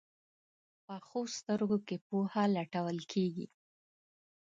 پخو سترګو کې پوهه لټول کېږي